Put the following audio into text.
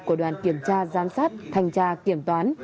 của đoàn kiểm tra gian sát thành tra kiểm toán